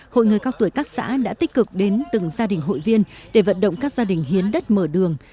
hội người cao tuổi các xã đã tích cực đến từng gia đình hội viên để vận động các gia đình hiến đất mở đường